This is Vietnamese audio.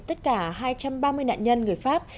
tất cả hai trăm ba mươi nạn nhân người pháp